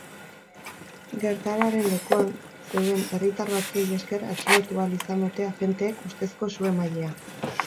Gertaeraren lekuan zeuden herritar batzuei esker atxilotu ahal izan dute agenteek ustezko su-emailea.